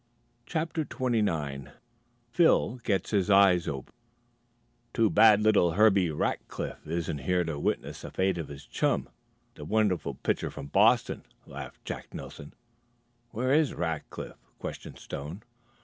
CHAPTER XXIX PHIL GETS HIS EYES OPEN "Too bad little Herbie Rackliff isn't here to witness the fate of his chum, the wonderful pitcher from Boston," laughed Jack Nelson. "Where is Rackliff?" questioned Stone.